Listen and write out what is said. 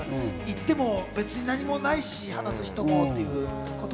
行っても別に何もないし、話す人もっていうことも。